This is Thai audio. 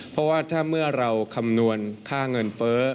เพราะว่าถ้าเมื่อเราคำนวณค่าเงินเฟ้อ